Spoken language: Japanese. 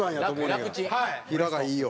平がいいよ。